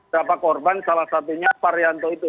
siapa korban salah satunya faryanto itu